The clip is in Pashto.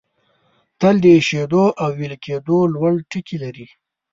تل د ایشېدو او ویلي کېدو لوړ ټکي لري.